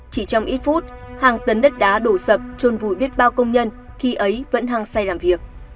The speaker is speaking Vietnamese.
chỉ trong ít phút hàng tấn đất đá đổ sập trôn vùi biết bao công nhân khi ấy vẫn hăng say làm việc